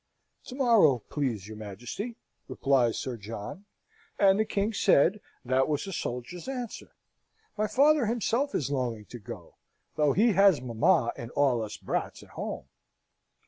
'Tomorrow, please your Majesty,' replies Sir John, and the king said, that was a soldier's answer. My father himself is longing to go, though he has mamma and all us brats at home.